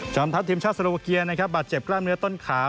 จอมทัพทีมชาติสุโลวัคเกียร์บาดเจ็บกล้ามเนื้อต้นขา